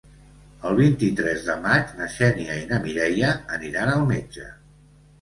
El vint-i-tres de maig na Xènia i na Mireia aniran al metge.